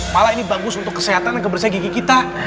malah ini bagus untuk kesehatan dan kebersihan gigi kita